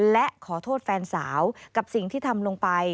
และขอโทษแฟนสาวกับสิ่งที่ทำลงไป